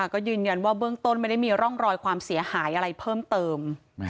ก็ยืนยันว่าเบื้องต้นไม่ได้มีร่องรอยความเสียหายอะไรเพิ่มเติม